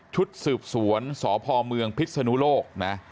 ชุดสืบสวนสพพิษฎุโลก